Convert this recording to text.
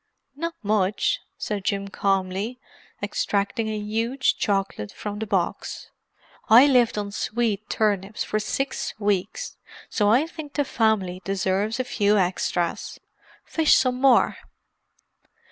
"Not much," said Jim calmly, extracting a huge chocolate from the box. "I lived on swede turnips for six weeks, so I think the family deserves a few extras. Fish some more."